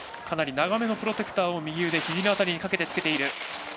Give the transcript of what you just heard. かなり長めのプロテクターを右腕からひじにかけてつけている。